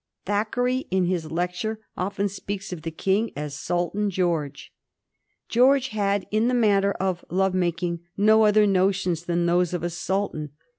Thackeray, in his lecture, often speaks of the King as " Sultan George." George had, in the matter of love making, no other notions than those of a sultan.